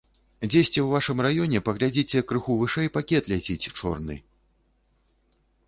Дзесьці ў вашым раёне паглядзіце крыху вышэй пакет ляціць чорны.